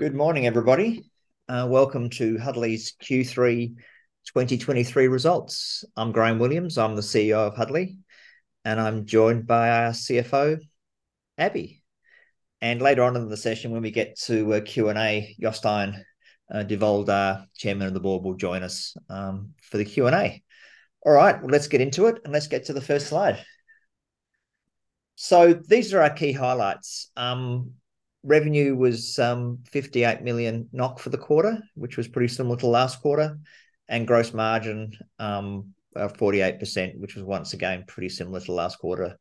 Good morning, everybody. Welcome to Huddly's Q3 2023 Results. I'm Graham Williams, I'm the CEO of Huddly, and I'm joined by our CFO, Abhi. Later on in the session when we get to Q&A, Jostein Devold, our Chairman of the Board, will join us for the Q&A. All right, let's get into it, and let's get to the first slide. So these are our key highlights. Revenue was 58 million NOK for the quarter, which was pretty similar to last quarter, and gross margin of 48%, which was once again pretty similar to last quarter,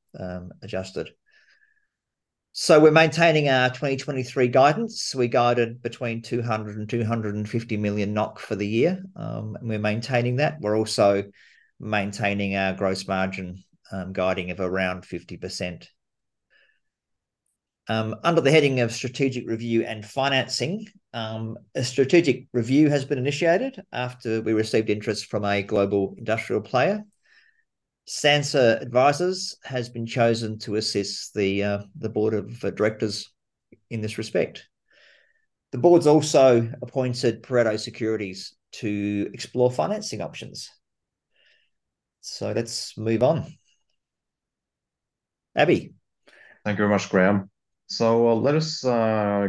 adjusted. So we're maintaining our 2023 guidance. We guided between 200 million NOK and 250 million NOK for the year. And we're maintaining that. We're also maintaining our gross margin guiding of around 50%. Under the heading of strategic review and financing, a strategic review has been initiated after we received interest from a global industrial player. Sansa Advisors has been chosen to assist the board of directors in this respect. The board's also appointed Pareto Securities to explore financing options. So let's move on. Abhi? Thank you very much, Graham. So let us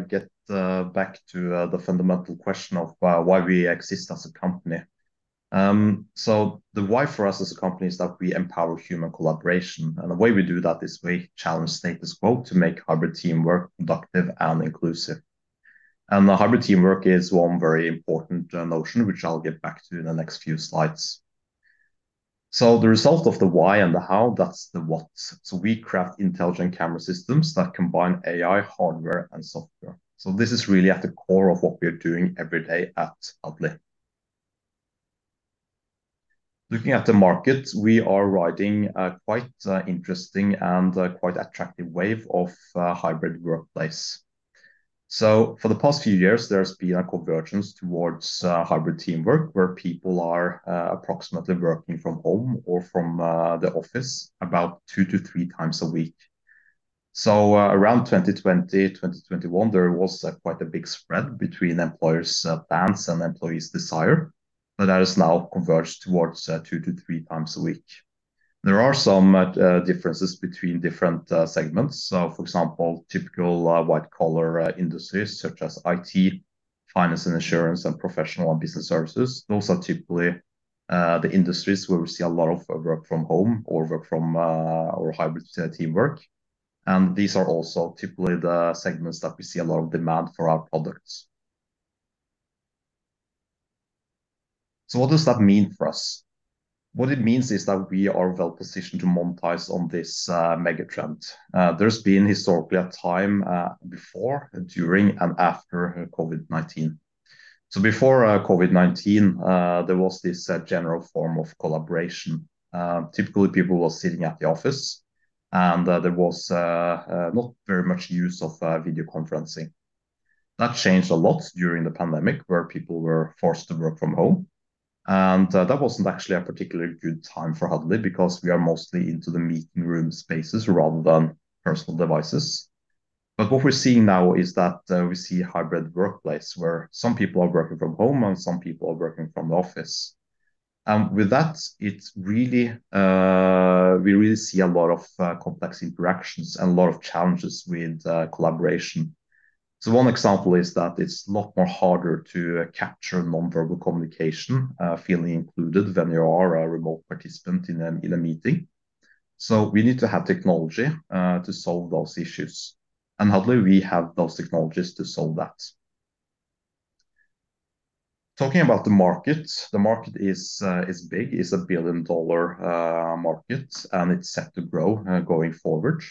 get back to the fundamental question of why we exist as a company. So the why for us as a company is that we empower human collaboration, and the way we do that is we challenge status quo to make hybrid teamwork productive and inclusive. And the hybrid teamwork is one very important notion, which I'll get back to in the next few slides. So the result of the why and the how, that's the what. So we craft intelligent camera systems that combine AI, hardware, and software. So this is really at the core of what we are doing every day at Huddly. Looking at the market, we are riding a quite interesting and quite attractive wave of hybrid workplace. So for the past few years, there's been a convergence towards hybrid teamwork, where people are approximately working from home or from the office about two to three times a week. So around 2020, 2021, there was quite a big spread between employers' plans and employees' desire, but that has now converged towards two to three times a week. There are some differences between different segments. So, for example, typical white-collar industries such as IT, finance and insurance, and professional and business services, those are typically the industries where we see a lot of work from home or work from or hybrid teamwork, and these are also typically the segments that we see a lot of demand for our products. So what does that mean for us? What it means is that we are well positioned to monetize on this mega trend. There's been historically a time before, during, and after COVID-19. So before COVID-19, there was this general form of collaboration. Typically, people were sitting at the office, and there was not very much use of video conferencing. That changed a lot during the pandemic, where people were forced to work from home, and that wasn't actually a particularly good time for Huddly because we are mostly into the meeting room spaces rather than personal devices. But what we're seeing now is that we see a hybrid workplace, where some people are working from home and some people are working from the office, and with that, it's really. We really see a lot of complex interactions and a lot of challenges with collaboration. So one example is that it's a lot more harder to capture non-verbal communication, feeling included, when you are a remote participant in a meeting. So we need to have technology to solve those issues, and Huddly, we have those technologies to solve that. Talking about the market, the market is big, is a billion-dollar market, and it's set to grow going forward.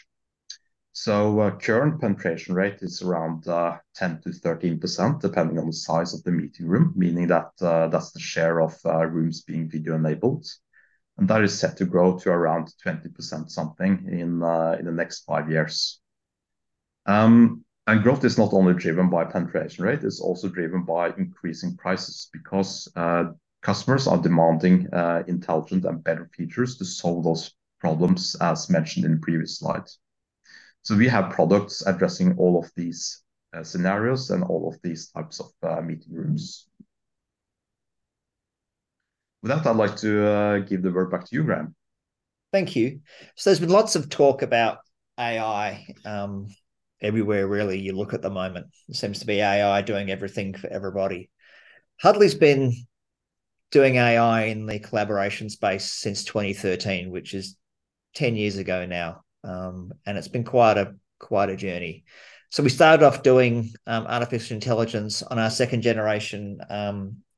So current penetration rate is around 10%-13%, depending on the size of the meeting room, meaning that that's the share of rooms being video-enabled, and that is set to grow to around 20% something in the next five years. Growth is not only driven by penetration rate, it's also driven by increasing prices because customers are demanding intelligent and better features to solve those problems, as mentioned in the previous slide. We have products addressing all of these scenarios and all of these types of meeting rooms. With that, I'd like to give the word back to you, Graham. Thank you. So there's been lots of talk about AI everywhere, really, you look at the moment. It seems to be AI doing everything for everybody. Huddly's been doing AI in the collaboration space since 2013, which is 10 years ago now, and it's been quite a journey. So we started off doing artificial intelligence on our second generation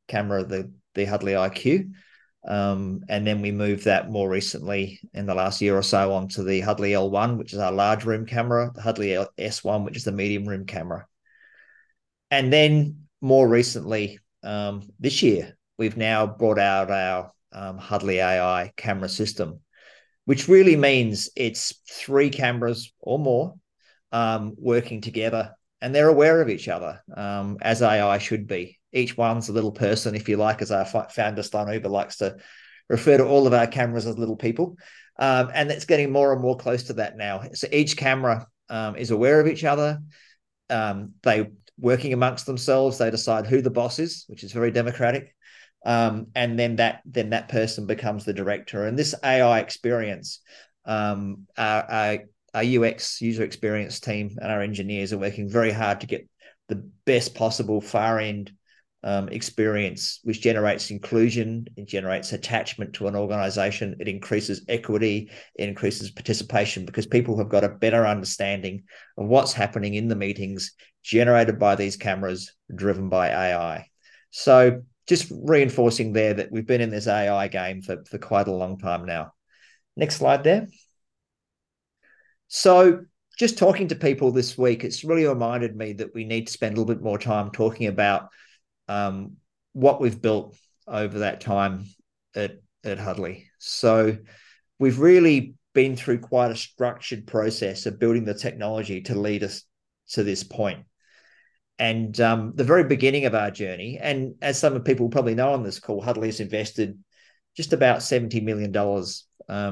camera, the Huddly IQ. And then we moved that more recently, in the last year or so, on to the Huddly L1, which is our large room camera, the Huddly S1, which is the medium room camera. And then, more recently, this year, we've now brought out our Huddly AI camera system, which really means it's 3 cameras or more working together, and they're aware of each other as AI should be. Each one's a little person, if you like, as our founder, Stein Eriksen, likes to refer to all of our cameras as little people. It's getting more and more close to that now. Each camera is aware of each other. They working amongst themselves, they decide who the boss is, which is very democratic, and then that person becomes the director. This AI experience, our UX, user experience team and our engineers are working very hard to get the best possible far-end experience, which generates inclusion, it generates attachment to an organization, it increases equity, it increases participation. Because people have got a better understanding of what's happening in the meetings generated by these cameras, driven by AI. So just reinforcing there that we've been in this AI game for quite a long time now. Next slide there. So just talking to people this week, it's really reminded me that we need to spend a little bit more time talking about what we've built over that time at Huddly. So we've really been through quite a structured process of building the technology to lead us to this point. And the very beginning of our journey, and as some of the people probably know on this call, Huddly has invested just about $70 million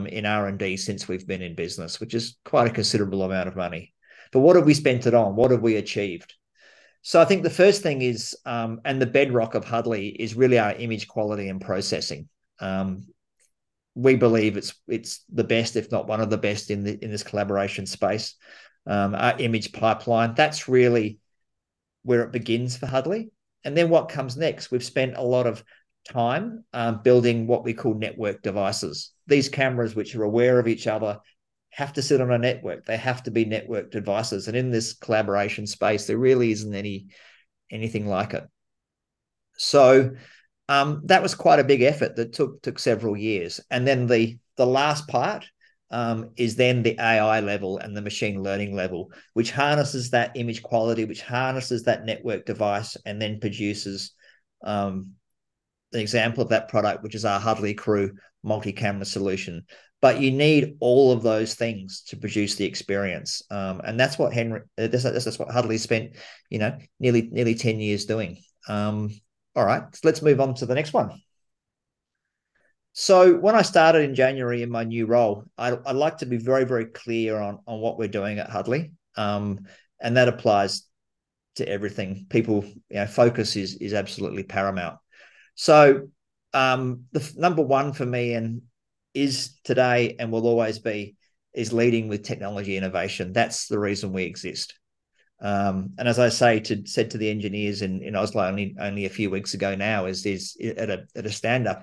in R&D since we've been in business, which is quite a considerable amount of money. But what have we spent it on? What have we achieved? So I think the first thing is, and the bedrock of Huddly, is really our image quality and processing. We believe it's the best, if not one of the best, in this collaboration space. Our image pipeline, that's really where it begins for Huddly. And then what comes next? We've spent a lot of time building what we call networked devices. These cameras, which are aware of each other, have to sit on a network. They have to be networked devices, and in this collaboration space, there really isn't anything like it. So, that was quite a big effort that took several years. And then the last part is then the AI level and the machine learning level, which harnesses that image quality, which harnesses that network device, and then produces the example of that product, which is our Huddly Crew multi-camera solution. But you need all of those things to produce the experience, and that's what Huddly spent, you know, nearly, nearly 10 years doing. All right, let's move on to the next one. So when I started in January in my new role, I'd like to be very, very clear on what we're doing at Huddly, and that applies to everything. People, you know, focus is absolutely paramount. So, the number one for me, and is today and will always be, is leading with technology innovation. That's the reason we exist. And as I said to the engineers in Oslo only a few weeks ago now, at a stand-up,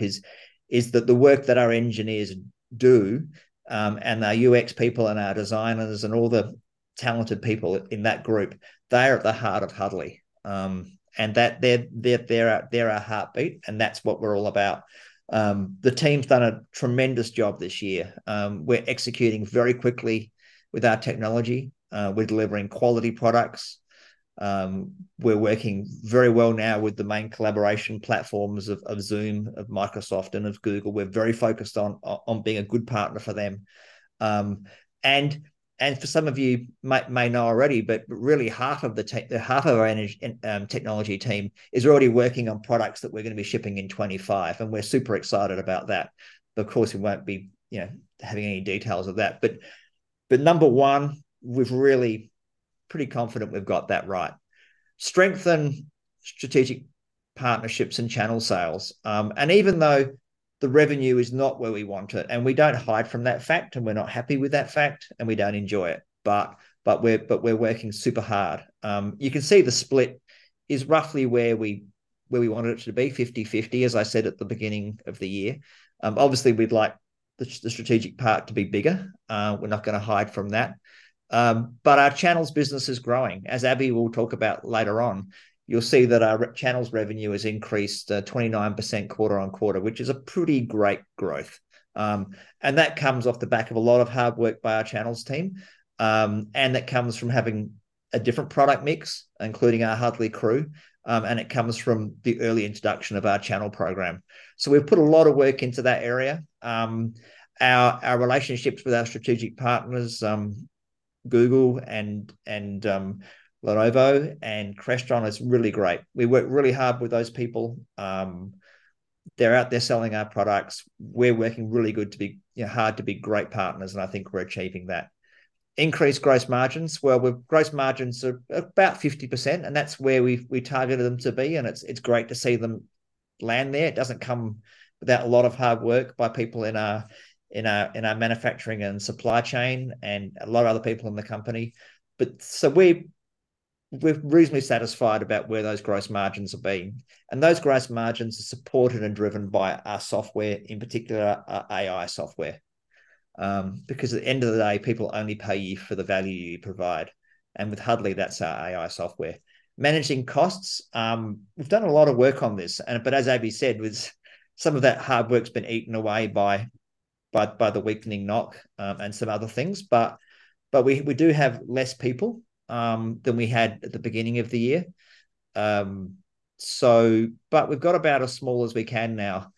is that the work that our engineers do, and our UX people and our designers and all the talented people in that group, they are at the heart of Huddly. And that they're our heartbeat, and that's what we're all about. The team's done a tremendous job this year. We're executing very quickly with our technology. We're delivering quality products. We're working very well now with the main collaboration platforms of Zoom, of Microsoft, and of Google. We're very focused on being a good partner for them. For some of you may know already, but really, half of our technology team is already working on products that we're going to be shipping in 2025, and we're super excited about that. But of course, we won't be, you know, having any details of that. But number one, we've really pretty confident we've got that right. Strengthen strategic partnerships and channel sales. Even though the revenue is not where we want it, and we don't hide from that fact, and we're not happy with that fact, and we don't enjoy it, but we're working super hard. You can see the split is roughly where we wanted it to be, 50/50, as I said at the beginning of the year. Obviously, we'd like the strategic part to be bigger. We're not going to hide from that. But our channels business is growing. As Abhi will talk about later on, you'll see that our channels revenue has increased 29% quarter-over-quarter, which is a pretty great growth. And that comes off the back of a lot of hard work by our channels team, and that comes from having a different product mix, including our Huddly Crew, and it comes from the early introduction of our channel program. So we've put a lot of work into that area. Our relationships with our strategic partners, Google and Lenovo and Crestron, is really great. We work really hard with those people. They're out there selling our products. We're working really good to be, you know, hard to be great partners, and I think we're achieving that. Increased gross margins, well, our gross margins are about 50%, and that's where we targeted them to be, and it's great to see them land there. It doesn't come without a lot of hard work by people in our manufacturing and supply chain, and a lot of other people in the company. We're reasonably satisfied about where those gross margins have been, and those gross margins are supported and driven by our software, in particular, our AI software. Because at the end of the day, people only pay you for the value you provide, and with Huddly, that's our AI software. Managing costs, we've done a lot of work on this, and but as Abhi said, with some of that hard work's been eaten away by the weakening NOK, and some other things, but we do have less people than we had at the beginning of the year. But we've got about as small as we can now,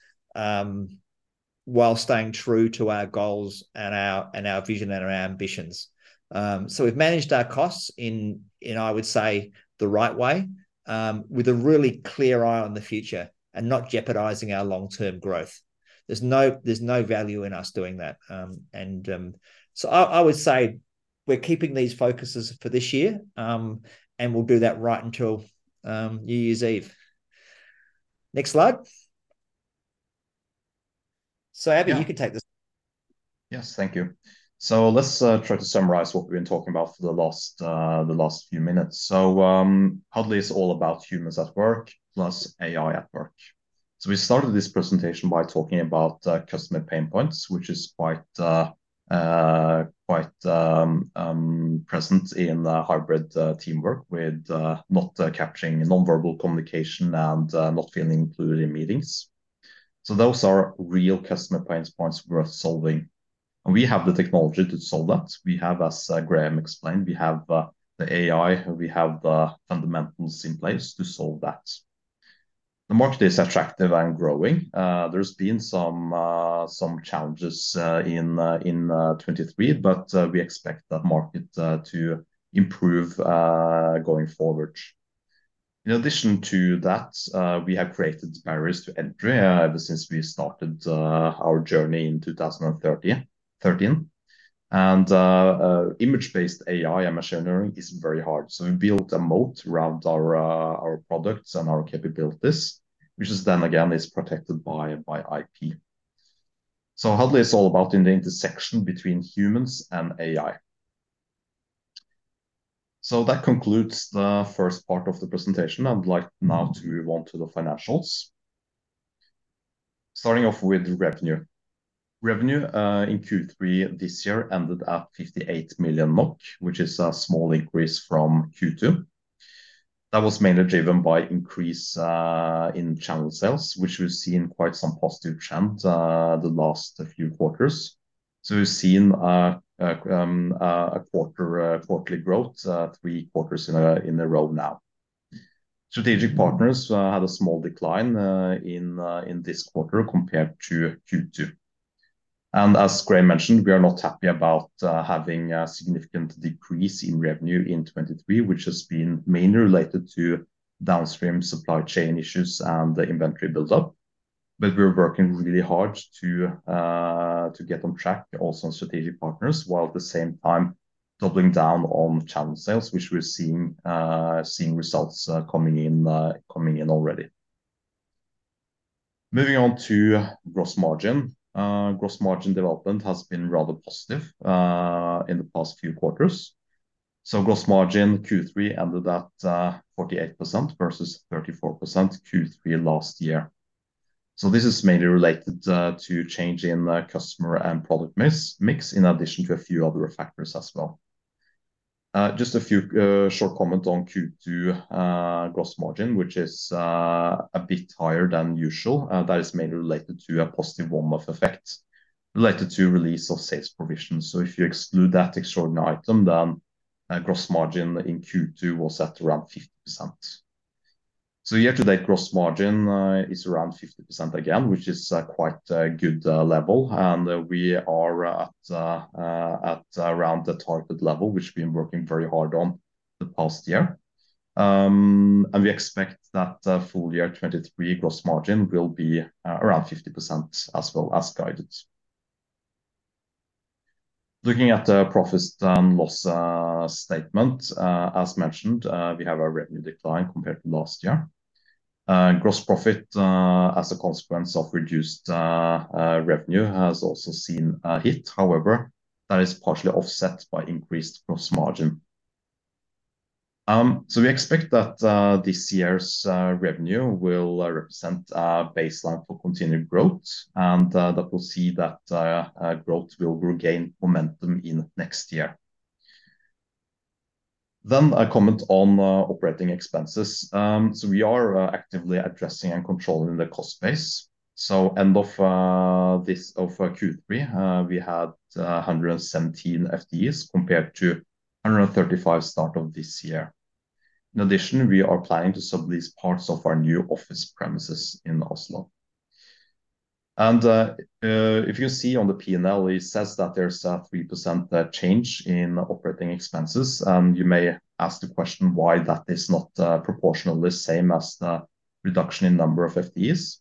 while staying true to our goals and our vision and our ambitions. So we've managed our costs in I would say the right way, with a really clear eye on the future and not jeopardizing our long-term growth. There's no value in us doing that. And so I would say we're keeping these focuses for this year, and we'll do that right until New Year's Eve. Next slide. Abhi, you can take this. Yes, thank you. So let's try to summarize what we've been talking about for the last few minutes. So, Huddly is all about humans at work, plus AI at work. So we started this presentation by talking about customer pain points, which is quite present in the hybrid teamwork with not capturing non-verbal communication and not feeling included in meetings. So those are real customer pain points worth solving, and we have the technology to solve that. We have, as Graham explained, the AI, and we have the fundamentals in place to solve that. The market is attractive and growing. There's been some challenges in 2023, but we expect the market to improve going forward. In addition to that, we have created barriers to entry ever since we started our journey in 2013. Image-based AI and machine learning is very hard, so we built a moat around our products and our capabilities, which is then again protected by IP. So Huddly is all about in the intersection between humans and AI. So that concludes the first part of the presentation. I'd like now to move on to the financials. Starting off with revenue. Revenue in Q3 this year ended at 58 million NOK, which is a small increase from Q2. That was mainly driven by increase in channel sales, which we've seen quite some positive trend the last few quarters. So we've seen quarterly growth three quarters in a row now. Strategic partners had a small decline in this quarter compared to Q2. And as Graham mentioned, we are not happy about having a significant decrease in revenue in 2023, which has been mainly related to downstream supply chain issues and the inventory buildup. But we're working really hard to get on track, also on strategic partners, while at the same time doubling down on channel sales, which we're seeing results coming in already. Moving on to gross margin. Gross margin development has been rather positive in the past few quarters. So gross margin Q3 ended at 48% versus 34% Q3 last year. So this is mainly related to change in the customer and product mix in addition to a few other factors as well. Just a few short comment on Q2 gross margin, which is a bit higher than usual. That is mainly related to a positive one-off effect related to release of sales provisions. So if you exclude that extraordinary item, then gross margin in Q2 was at around 50%. So year-to-date, gross margin is around 50% again, which is a quite good level, and we are at around the target level, which we've been working very hard on the past year. And we expect that the full year 2023 gross margin will be around 50% as well as guided. Looking at the profit and loss statement, as mentioned, we have a revenue decline compared to last year. Gross profit, as a consequence of reduced revenue, has also seen a hit. However, that is partially offset by increased gross margin. So we expect that this year's revenue will represent our baseline for continued growth, and that will see that growth will regain momentum in next year. Then a comment on operating expenses. So we are actively addressing and controlling the cost base. So end of this Q3, we had 117 FTEs compared to 135 start of this year. In addition, we are planning to sublease parts of our new office premises in Oslo. If you see on the P&L, it says that there's a 3% change in operating expenses. You may ask the question, why that is not proportionally the same as the reduction in number of FTEs,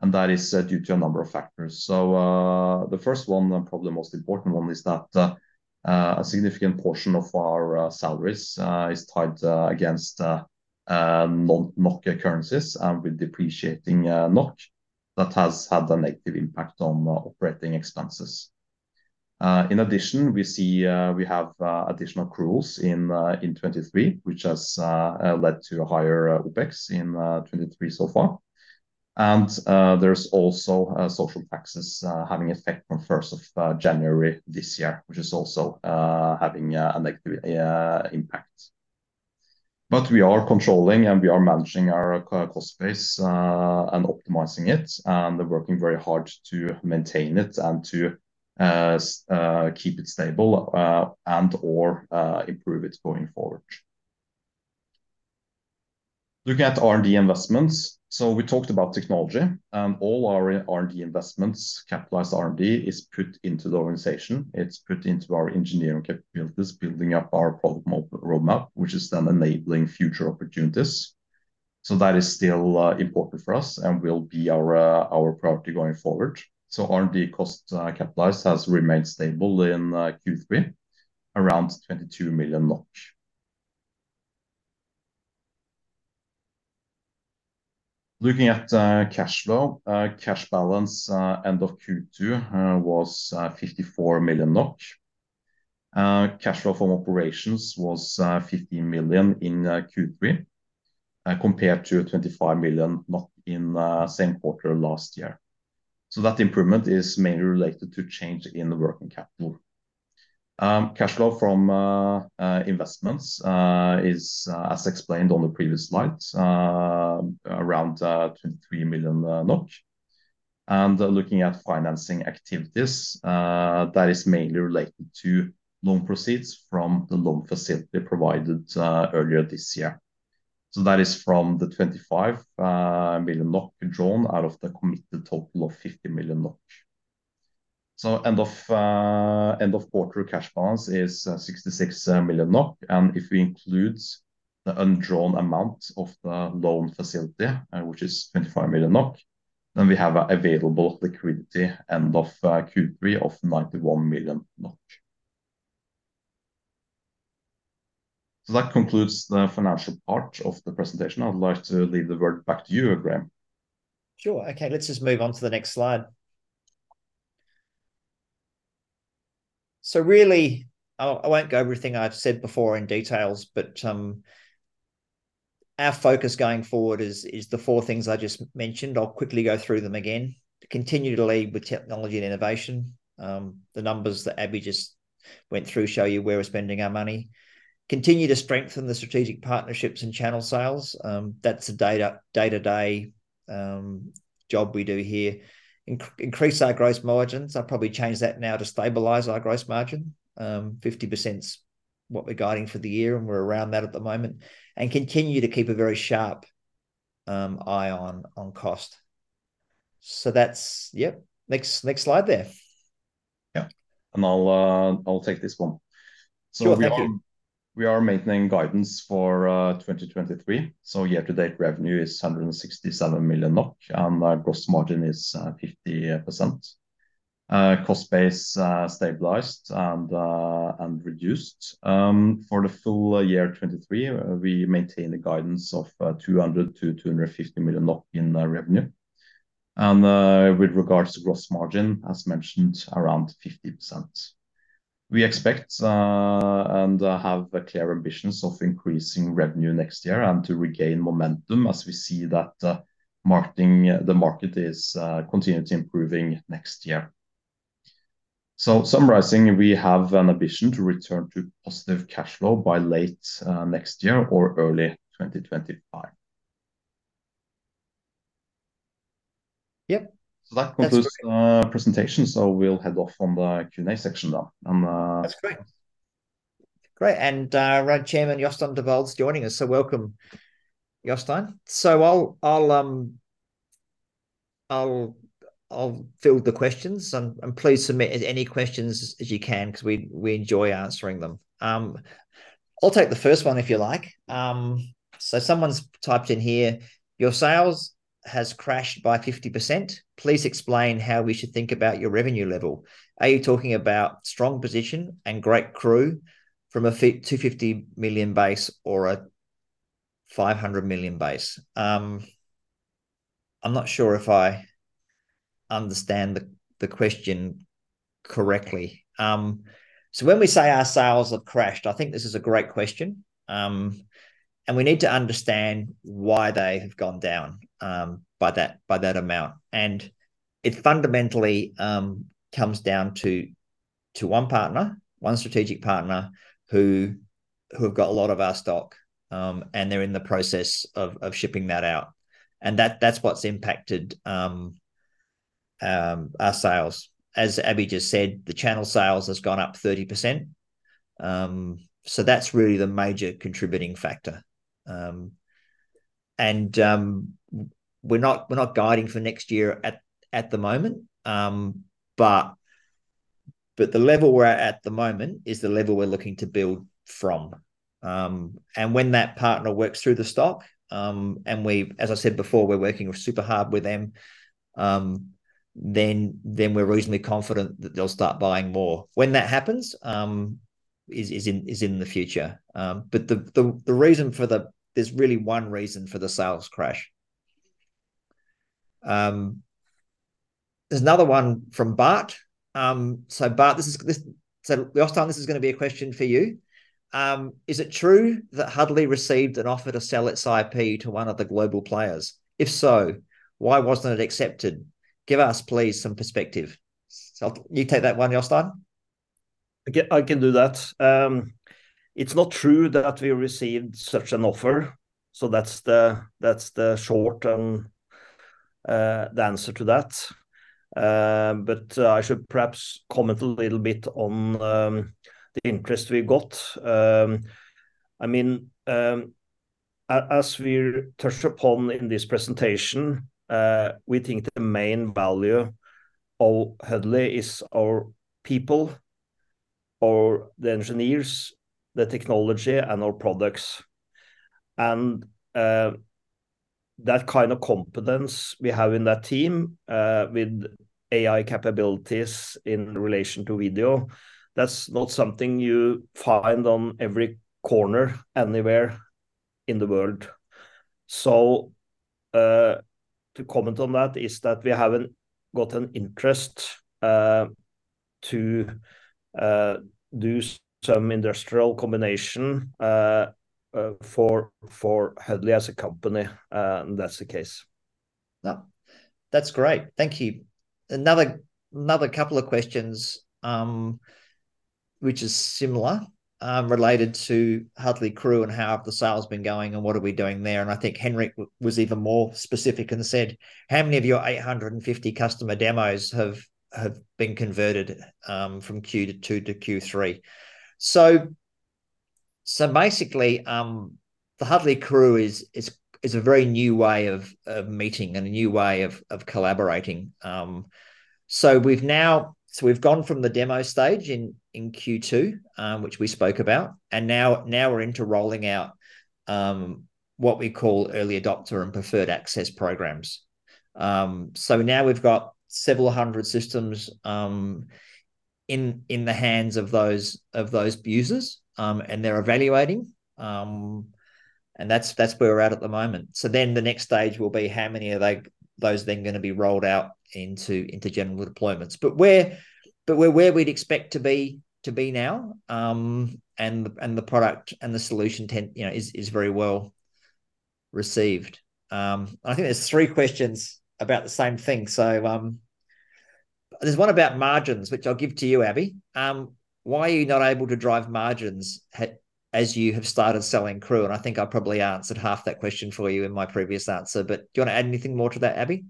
and that is due to a number of factors. So, the first one, and probably the most important one, is that a significant portion of our salaries is tied against NOK currencies and with depreciating NOK. That has had a negative impact on operating expenses. In addition, we have additional accruals in 2023, which has led to higher OpEx in 2023 so far. And, there's also social taxes having effect from first of January this year, which is also having a negative impact. But we are controlling, and we are managing our cost base, and optimizing it, and working very hard to maintain it and to keep it stable, and/or improve it going forward. Looking at R&D investments. So we talked about technology, and all our R&D investments, capitalized R&D, is put into the organization. It's put into our engineering capabilities, building up our product roadmap, which is then enabling future opportunities so that is still important for us and will be our our priority going forward. So R&D cost, capitalized has remained stable in Q3, around NOK 22 million. Looking at cash flow, cash balance end of Q2 was 54 million NOK. Cash flow from operations was 15 million in Q3 compared to 25 million NOK in same quarter last year. So that improvement is mainly related to change in the working capital. Cash flow from investments is as explained on the previous slide around 23 million. Looking at financing activities, that is mainly related to loan proceeds from the loan facility provided earlier this year. So that is from the 25 million NOK drawn out of the committed total of 50 million NOK. End of quarter cash balance is 66 million NOK, and if we include the undrawn amount of the loan facility, which is 25 million NOK, then we have available liquidity end of Q3 of 91 million NOK. That concludes the financial part of the presentation. I would like to leave the word back to you, Graham. Sure. Okay, let's just move on to the next slide. So really, I won't go everything I've said before in details, but our focus going forward is the four things I just mentioned. I'll quickly go through them again. To continue to lead with technology and innovation. The numbers that Abhi just went through show you where we're spending our money. Continue to strengthen the strategic partnerships and channel sales. That's a day-to-day job we do here. Increase our gross margins. I'll probably change that now to stabilize our gross margin. 50% is what we're guiding for the year, and we're around that at the moment, and continue to keep a very sharp eye on cost. So that's. Yep, next slide there. Yeah. And I'll, I'll take this one. Sure, thank you. So we are maintaining guidance for 2023. Year-to-date revenue is 167 million NOK, and our gross margin is 50%. Cost base stabilized and reduced. For the full year 2023, we maintain the guidance of 200 million-250 million in revenue. And with regards to gross margin, as mentioned, around 50%. We expect and have clear ambitions of increasing revenue next year and to regain momentum as we see that the market is continuing to improve next year. So summarizing, we have an ambition to return to positive cash flow by late next year or early 2025. Yep. So that's- That's presentation, so we'll head off on the Q&A section now. And That's great. Great, and our chairman, Jostein Devold, is joining us, so welcome, Jostein. So I'll field the questions, and please submit as many questions as you can, because we enjoy answering them. I'll take the first one, if you like. So someone's typed in here: "Your sales has crashed by 50%. Please explain how we should think about your revenue level. Are you talking about strong position and great crew from a 50 million base or a 500 million base?" I'm not sure if I understand the question correctly. So when we say our sales have crashed, I think this is a great question, and we need to understand why they have gone down by that amount. It fundamentally comes down to one partner, one strategic partner, who have got a lot of our stock, and they're in the process of shipping that out, and that's what's impacted our sales. As Abhi just said, the channel sales has gone up 30%, so that's really the major contributing factor. We're not guiding for next year at the moment, but the level we're at at the moment is the level we're looking to build from. And when that partner works through the stock, and we. As I said before, we're working super hard with them, then we're reasonably confident that they'll start buying more. When that happens is in the future. But there's really one reason for the sales crash. There's another one from Bart. So Bart, so Jostein, this is gonna be a question for you. "Is it true that Huddly received an offer to sell its IP to one of the global players? If so, why wasn't it accepted? Give us, please, some perspective." So you take that one, Jostein? I can do that. It's not true that we received such an offer, so that's the short answer to that. But I should perhaps comment a little bit on the interest we got. I mean, as we touched upon in this presentation, we think the main value of Huddly is our people—or the engineers, the technology, and our products. That kind of competence we have in that team with AI capabilities in relation to video, that's not something you find on every corner anywhere in the world. So, to comment on that is that we haven't got an interest to do some industrial combination for Huddly as a company. That's the case. No, that's great. Thank you. Another couple of questions, which is similar, related to Huddly Crew and how have the sales been going, and what are we doing there? And I think Henrik was even more specific and said: "How many of your 850 customer demos have been converted from Q2 to Q3?" So basically, the Huddly Crew is a very new way of meeting and a new way of collaborating. So we've now gone from the demo stage in Q2, which we spoke about, and now we're into rolling out what we call early adopter and preferred access programs. So now we've got several hundred systems in the hands of those users, and they're evaluating. And that's where we're at at the moment. So then the next stage will be how many are they, those then gonna be rolled out into general deployments. But we're where we'd expect to be now, and the product and the solution, you know, is very well received. I think there's three questions about the same thing. So, there's one about margins, which I'll give to you, Abhi. Why are you not able to drive margins as you have started selling Crew? And I think I probably answered half that question for you in my previous answer, but do you want to add anything more to that, Abhi?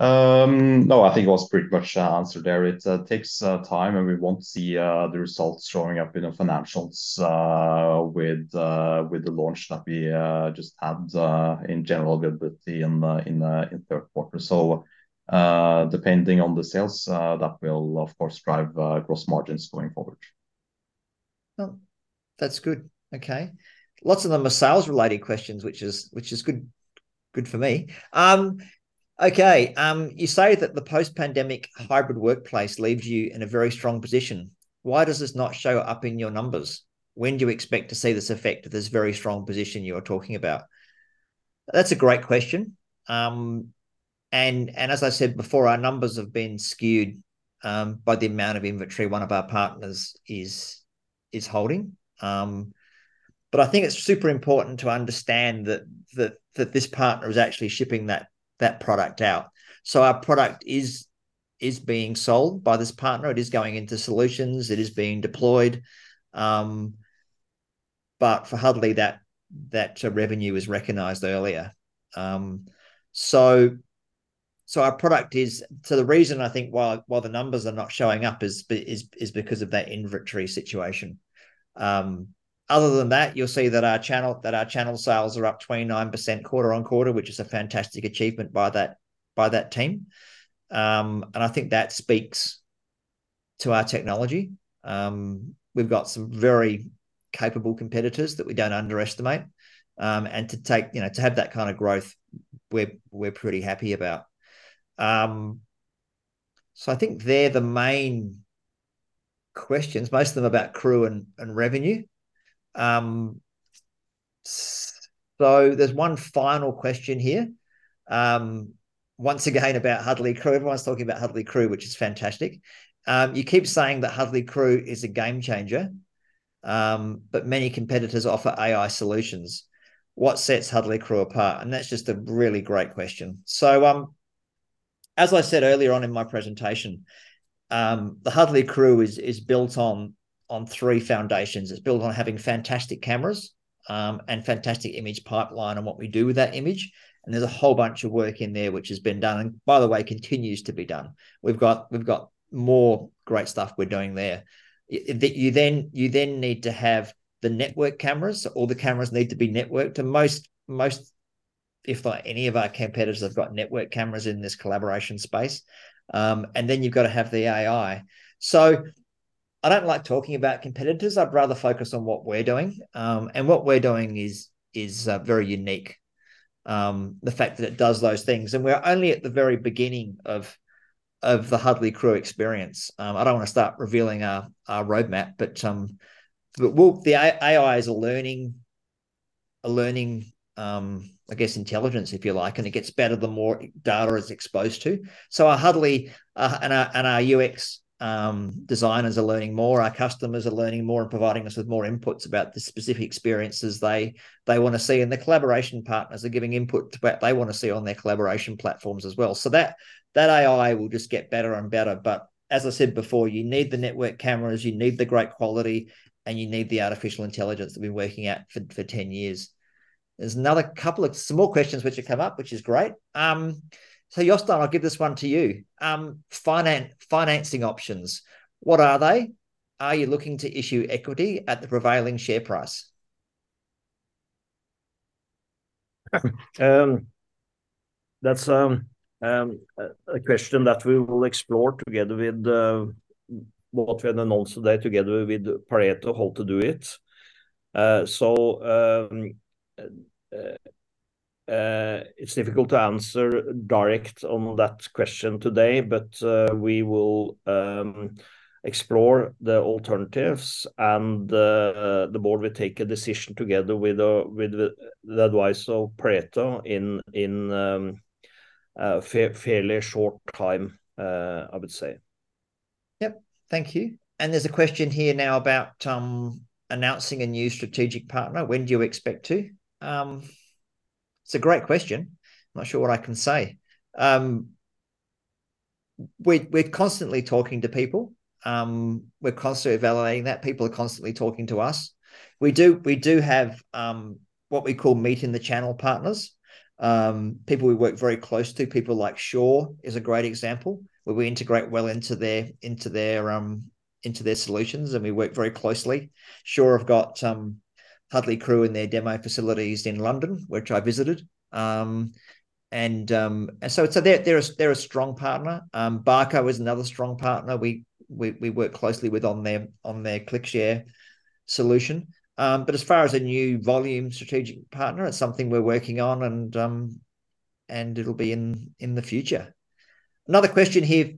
No, I think it was pretty much answered there. It takes time, and we won't see the results showing up in the financials with the launch that we just had in general availability in third quarter. So, depending on the sales, that will, of course, drive gross margins going forward. Well, that's good. Okay. Lots of them are sales-related questions, which is good for me. Okay, you say that the post-pandemic hybrid workplace leaves you in a very strong position. Why does this not show up in your numbers? When do you expect to see this effect, this very strong position you're talking about? That's a great question. And as I said before, our numbers have been skewed by the amount of inventory one of our partners is holding. But I think it's super important to understand that this partner is actually shipping that product out. So our product is being sold by this partner, it is going into solutions, it is being deployed, but for Huddly, that revenue is recognized earlier. So our product is. So the reason I think why the numbers are not showing up is because of that inventory situation. Other than that, you'll see that our channel sales are up 29% quarter-on-quarter, which is a fantastic achievement by that team. And I think that speaks to our technology. We've got some very capable competitors that we don't underestimate, and to take, you know, to have that kind of growth, we're pretty happy about. So I think there're the main questions, most of them about Crew and revenue. So there's one final question here, once again, about Huddly Crew. Everyone's talking about Huddly Crew, which is fantastic. You keep saying that Huddly Crew is a game changer, but many competitors offer AI solutions. What sets Huddly Crew apart? That's just a really great question. As I said earlier on in my presentation, the Huddly Crew is built on three foundations. It's built on having fantastic cameras, and fantastic image pipeline, and what we do with that image, and there's a whole bunch of work in there which has been done, and by the way, continues to be done. We've got more great stuff we're doing there. You then need to have the network cameras, so all the cameras need to be networked, and most, if any of our competitors have got network cameras in this collaboration space. And then you've got to have the AI. So I don't like talking about competitors, I'd rather focus on what we're doing, and what we're doing is very unique, the fact that it does those things. And we're only at the very beginning of the Huddly Crew experience. I don't want to start revealing our roadmap, but, well, the AI is a learning intelligence, if you like, and it gets better the more data it's exposed to. So at Huddly, and our UX designers are learning more, our customers are learning more and providing us with more inputs about the specific experiences they wanna see, and the collaboration partners are giving input to what they wanna see on their collaboration platforms as well. So that AI will just get better and better, but as I said before, you need the network cameras, you need the great quality, and you need the artificial intelligence we've been working at for 10 years. There are some more questions which have come up, which is great. So, Jostein, I'll give this one to you. Financing options, what are they? Are you looking to issue equity at the prevailing share price? That's a question that we will explore together with both when and also today together with Pareto, how to do it. So, it's difficult to answer direct on that question today, but we will explore the alternatives, and the board will take a decision together with the advice of Pareto in a fairly short time, I would say. Yep. Thank you. And there's a question here now about announcing a new strategic partner. When do you expect to? It's a great question. I'm not sure what I can say. We're constantly talking to people. We're constantly evaluating that. People are constantly talking to us. We do have what we call meeting the channel partners, people we work very close to, people like Shure is a great example, where we integrate well into their solutions, and we work very closely. Shure have got Huddly Crew in their demo facilities in London, which I visited. And so they're a strong partner. Barco is another strong partner we work closely with on their ClickShare solution. As far as a new volume strategic partner, it's something we're working on, and it'll be in the future. Another question here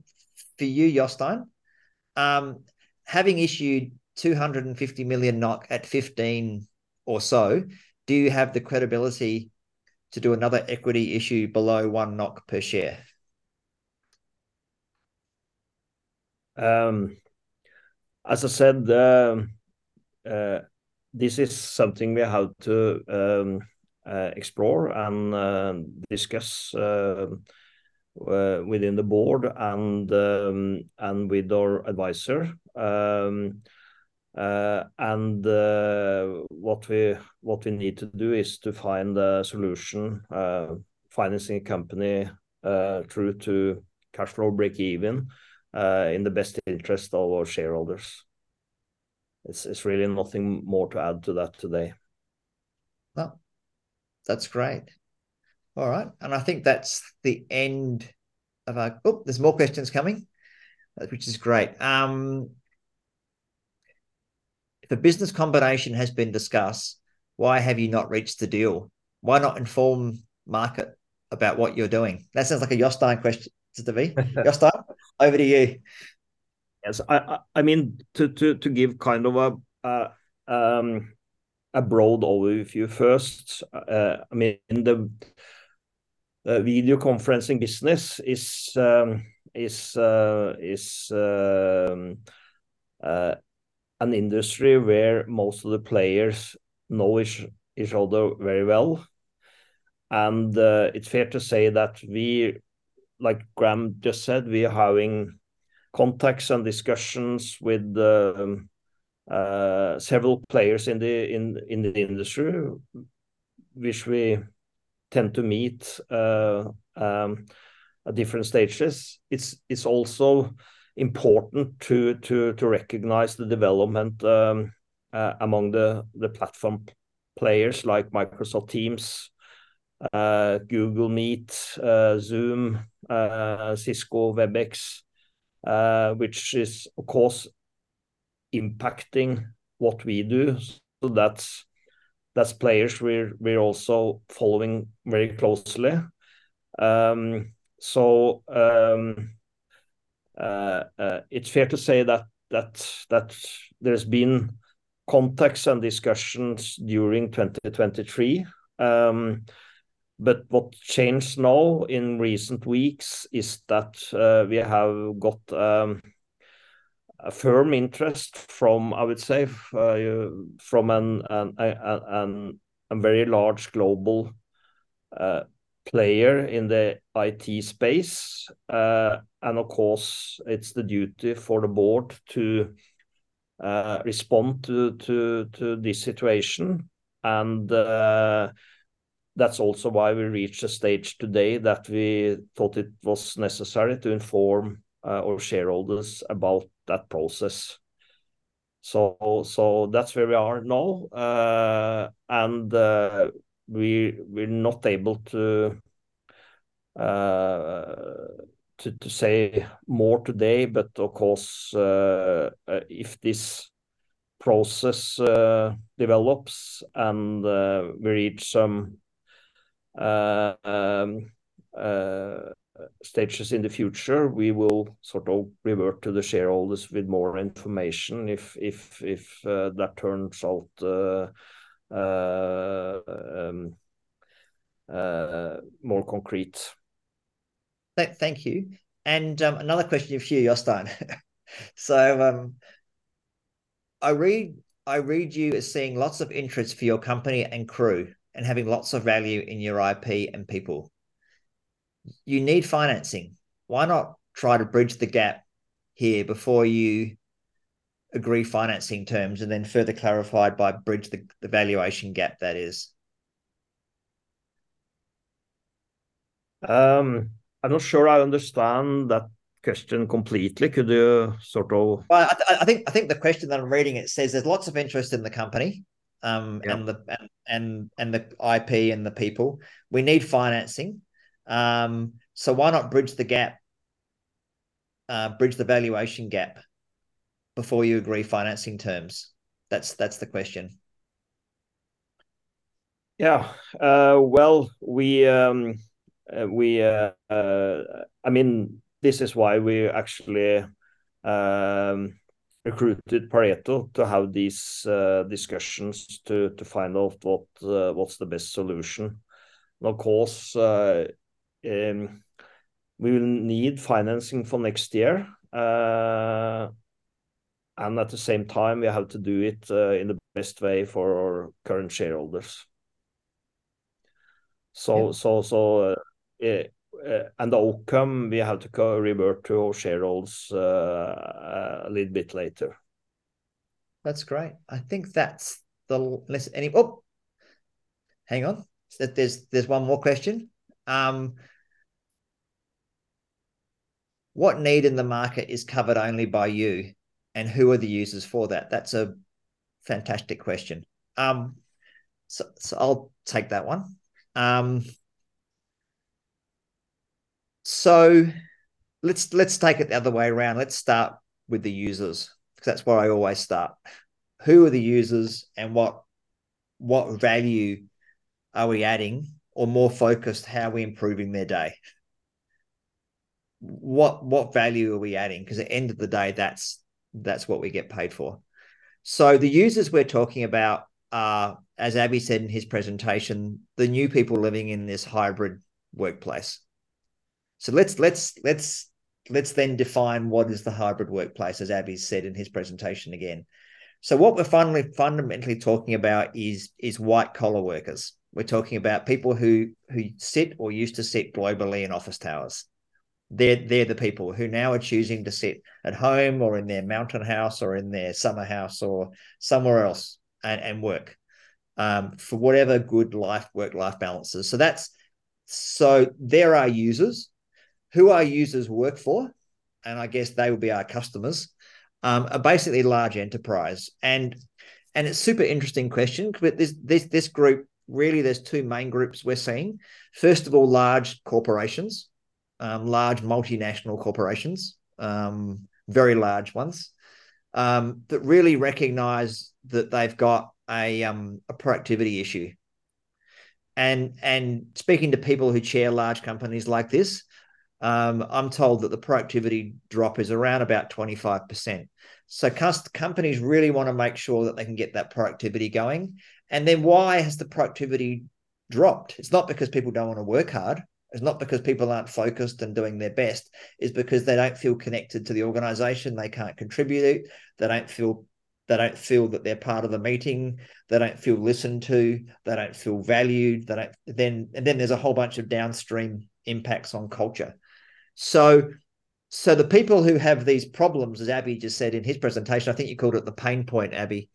for you, Jostein. Having issued 250 million NOK at 15 or so, do you have the credibility to do another equity issue below 1 NOK per share? As I said, this is something we have to explore and discuss within the board and with our advisor. What we need to do is to find a solution, financing a company, through to cash flow breakeven, in the best interest of our shareholders. It's really nothing more to add to that today. Well, that's great. All right, and I think that's the end of our... Oh, there's more questions coming, which is great. If a business combination has been discussed, why have you not reached the deal? Why not inform market about what you're doing? That sounds like a Jostein question to me. Jostein, over to you. Yes, I mean, to give kind of a broad overview first, I mean, the video conferencing business is an industry where most of the players know each other very well. And, it's fair to say that we, like Graham just said, we are having contacts and discussions with several players in the industry, which we tend to meet at different stages. It's also important to recognize the development among the platform players like Microsoft Teams, Google Meet, Zoom, Cisco WebEx, which is, of course, impacting what we do. So that's players we're also following very closely. So, it's fair to say that there's been contacts and discussions during 2023. But what changed now in recent weeks is that we have got a firm interest from, I would say, from a very large global player in the IT space. And of course, it's the duty for the board to respond to this situation. That's also why we reached a stage today that we thought it was necessary to inform our shareholders about that process. So that's where we are now. And, we're not able to say more today, but of course, if this process develops and we reach some stages in the future, we will sort of revert to the shareholders with more information if that turns out more concrete. Thank you. And, another question for you, Jostein. So, I read you as seeing lots of interest for your company and crew, and having lots of value in your IP and people. You need financing. Why not try to bridge the gap here before you agree financing terms, and then further clarified by bridge the, the valuation gap, that is? I'm not sure I understand that question completely. Could you sort of- Well, I think the question that I'm reading, it says there's lots of interest in the company. Yeah... and the IP and the people. We need financing. So why not bridge the gap, bridge the valuation gap before you agree financing terms? That's the question. Yeah. Well, I mean, this is why we actually recruited Pareto to have these discussions to find out what's the best solution. And of course, we will need financing for next year. And at the same time, we have to do it in the best way for our current shareholders. Yeah. And the outcome, we have to go revert to our shareholders a little bit later. That's great. I think that's the last unless any. Oh, hang on. There's one more question. What need in the market is covered only by you, and who are the users for that? That's a fantastic question. So I'll take that one. So let's take it the other way around. Let's start with the users, because that's where I always start. Who are the users, and what value are we adding, or more focused, how are we improving their day? What value are we adding? Because at the end of the day, that's what we get paid for. So the users we're talking about are, as Abhi said in his presentation, the new people living in this hybrid workplace. So let's then define what is the hybrid workplace, as Abhi said in his presentation again. So what we're fundamentally talking about is white-collar workers. We're talking about people who sit or used to sit globally in office towers. They're the people who now are choosing to sit at home or in their mountain house or in their summer house or somewhere else and work for whatever good life, work-life balance is. So that's. So they're our users. Who our users work for, and I guess they will be our customers, are basically large enterprise. And it's a super interesting question, because this group, really there's two main groups we're seeing. First of all, large corporations, large multinational corporations, very large ones, that really recognize that they've got a productivity issue. Speaking to people who chair large companies like this, I'm told that the productivity drop is around about 25%. So companies really want to make sure that they can get that productivity going. And then why has the productivity dropped? It's not because people don't want to work hard. It's not because people aren't focused and doing their best. It's because they don't feel connected to the organization. They can't contribute. They don't feel that they're part of the meeting. They don't feel listened to. They don't feel valued. Then there's a whole bunch of downstream impacts on culture. So the people who have these problems, as Abhi just said in his presentation, I think you called it the pain point, Abhi,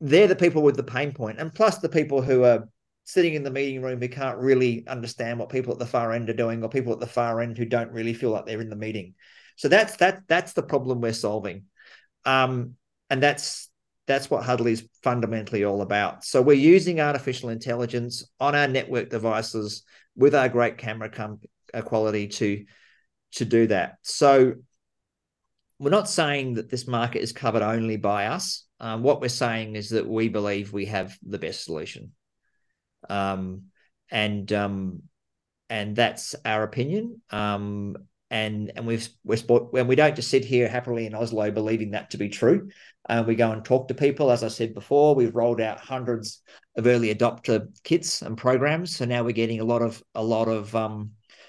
they're the people with the pain point, and plus the people who are sitting in the meeting room who can't really understand what people at the far end are doing, or people at the far end who don't really feel like they're in the meeting. So that's the problem we're solving. And that's what Huddly is fundamentally all about. So we're using artificial intelligence on our network devices with our great camera quality to do that. So we're not saying that this market is covered only by us. What we're saying is that we believe we have the best solution. And that's our opinion. And we don't just sit here happily in Oslo believing that to be true. We go and talk to people. As I said before, we've rolled out hundreds of early adopter kits and programs, so now we're getting a lot of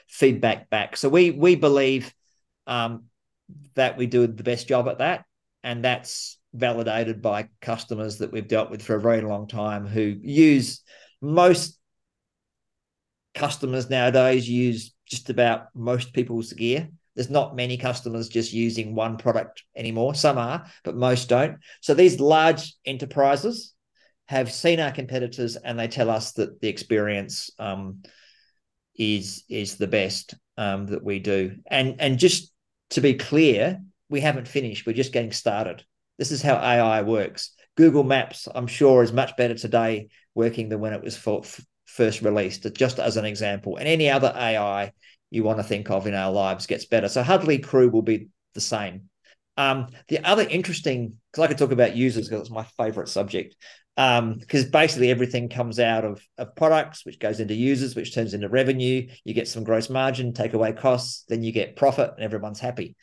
feedback back. So we believe that we do the best job at that, and that's validated by customers that we've dealt with for a very long time, who use. Most customers nowadays use just about most people's gear. There's not many customers just using one product anymore. Some are, but most don't. So these large enterprises have seen our competitors, and they tell us that the experience is the best that we do. And just to be clear, we haven't finished. We're just getting started. This is how AI works. Google Maps, I'm sure, is much better today working than when it was first released, just as an example, and any other AI you want to think of in our lives gets better. So Huddly Crew will be the same. The other interesting. Because I could talk about users, because it's my favorite subject. Because basically everything comes out of products, which goes into users, which turns into revenue. You get some gross margin, take away costs, then you get profit, and everyone's happy.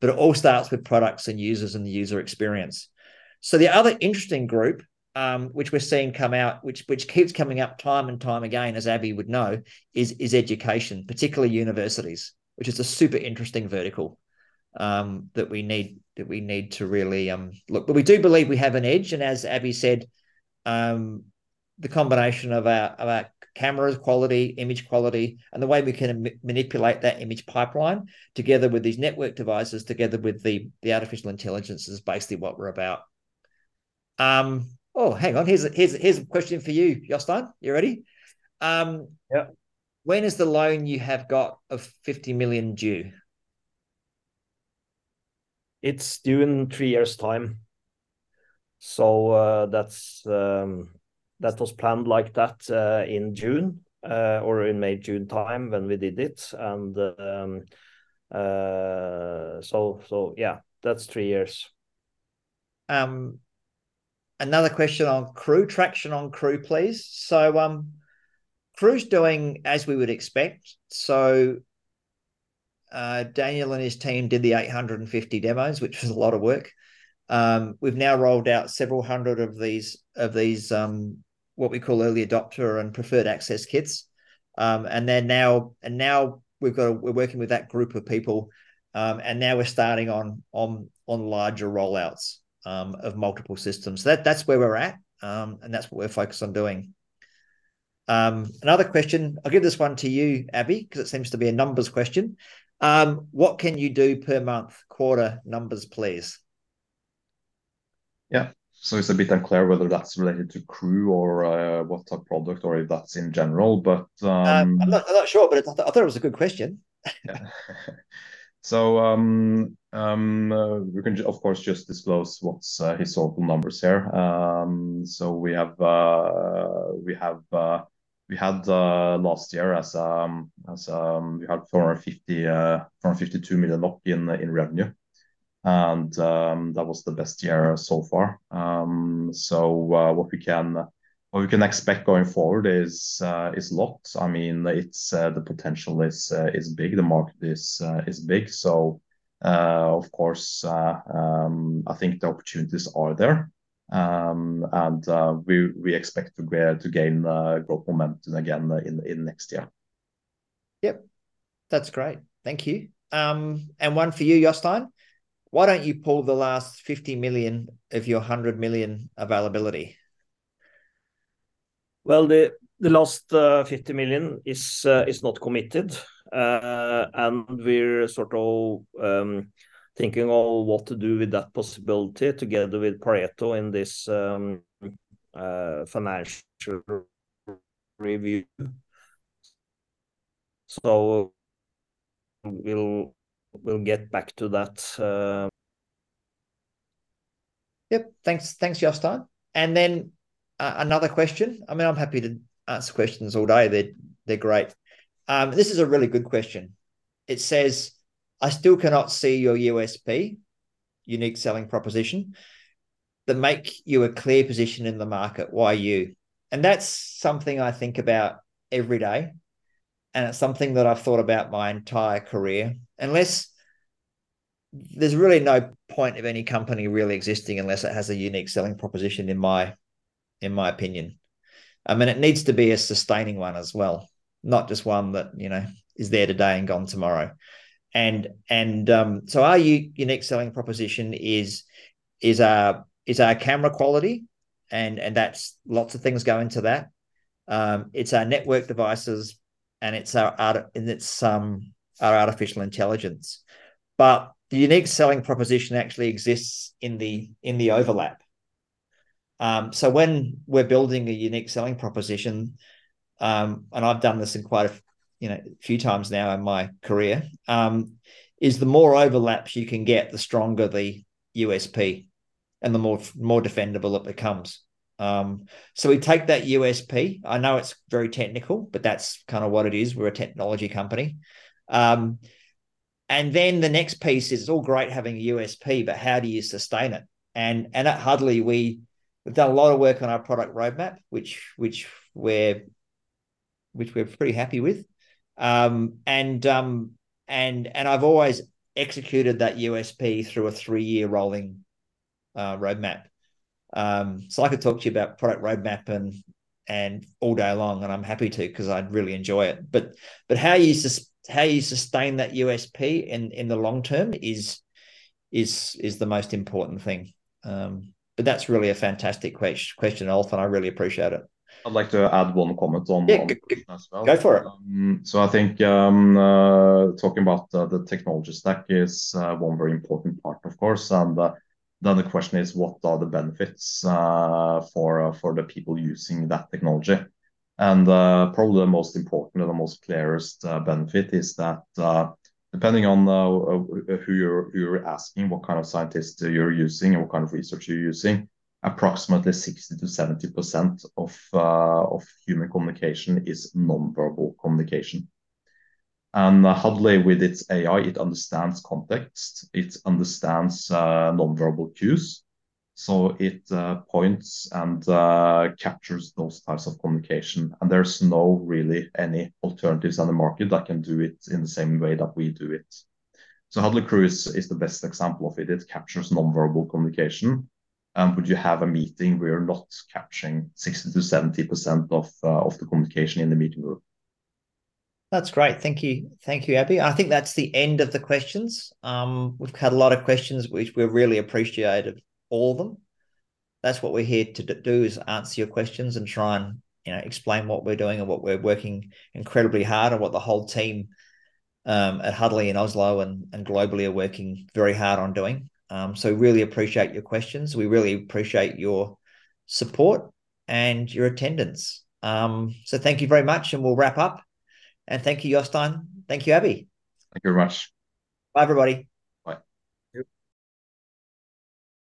But it all starts with products and users and the user experience. So the other interesting group, which we're seeing come out, which keeps coming up time and time again, as Abhi would know, is education, particularly universities, which is a super interesting vertical, that we need to really look. But we do believe we have an edge, and as Abhi said, the combination of our camera's quality, image quality, and the way we can manipulate that image pipeline together with these network devices, together with the artificial intelligence, is basically what we're about. Oh, hang on. Here's a question for you, Jostein. You ready? Yeah. When is the loan you have got of 50 million due? It's due in three years' time. So, that's, that was planned like that, in June, or in May, June time when we did it. And, so, so yeah, that's three years. Another question on Crew, traction on Crew, please. So, Crew's doing as we would expect. So, Daniel and his team did the 850 demos, which was a lot of work. We've now rolled out several hundred of these, of these, what we call early adopter and preferred access kits. And they're now- and now we've got a- we're working with that group of people, and now we're starting on, on, on larger rollouts, of multiple systems. So that- that's where we're at, and that's what we're focused on doing. Another question, I'll give this one to you, Abhi, because it seems to be a numbers question. What can you do per month, quarter numbers, please? Yeah. So it's a bit unclear whether that's related to Crew or what type of product, or if that's in general, but- I'm not sure, but I thought it was a good question. So, we can, of course, just disclose what's historical numbers here. So we had 452 million in revenue last year, and that was the best year so far. So, what we can expect going forward is lots. I mean, it's the potential is big, the market is big. So, of course, I think the opportunities are there. And, we expect to gain good momentum again in next year. Yep. That's great. Thank you. One for you, Jostein, why don't you pull the last 50 million of your 100 million availability? Well, the last 50 million is not committed. And we're sort of thinking of what to do with that possibility together with Pareto in this financial review. So we'll get back to that. Yep, thanks. Thanks, Jostein. And then, another question. I mean, I'm happy to answer questions all day. They're, they're great. This is a really good question. It says: "I still cannot see your USP, unique selling proposition, that make you a clear position in the market. Why you?" And that's something I think about every day, and it's something that I've thought about my entire career. Unless there's really no point of any company really existing unless it has a unique selling proposition, in my opinion. I mean, it needs to be a sustaining one as well, not just one that, you know, is there today and gone tomorrow. So our unique selling proposition is our camera quality, and that's lots of things go into that. It's our network devices, and it's our artificial intelligence. But the unique selling proposition actually exists in the overlap. So when we're building a unique selling proposition, and I've done this in quite a, you know, few times now in my career, is the more overlaps you can get, the stronger the USP and the more defendable it becomes. So we take that USP. I know it's very technical, but that's kind of what it is. We're a technology company. And then the next piece is, it's all great having a USP, but how do you sustain it? And at Huddly, we've done a lot of work on our product roadmap, which we're pretty happy with. I've always executed that USP through a three-year rolling roadmap. So I could talk to you about product roadmap all day long, and I'm happy to, 'cause I'd really enjoy it. But how you sustain that USP in the long term is the most important thing. But that's really a fantastic question, Elton. I really appreciate it. I'd like to add one comment on- Yeah, please as well. Go for it. So I think, talking about the technology stack is one very important part, of course. And then the question is, what are the benefits for the people using that technology? And probably the most important or the most clearest benefit is that, depending on who you're asking, what kind of scientists you're using, and what kind of research you're using, approximately 60%-70% of human communication is non-verbal communication. And Huddly, with its AI, it understands context, it understands non-verbal cues. So it points and captures those types of communication, and there's no really any alternatives on the market that can do it in the same way that we do it. So Huddly Crew is the best example of it. It captures non-verbal communication. Would you have a meeting where you're not capturing 60%-70% of the communication in the meeting room? That's great. Thank you. Thank you, Abhi. I think that's the end of the questions. We've had a lot of questions, which we're really appreciated all of them. That's what we're here to do, is answer your questions and try and, you know, explain what we're doing and what we're working incredibly hard, and what the whole team at Huddly in Oslo and, and globally are working very hard on doing. So really appreciate your questions. We really appreciate your support and your attendance. So thank you very much, and we'll wrap up. And thank you, Jostein. Thank you, Abhi. Thank you very much. Bye, everybody. Bye. Yep.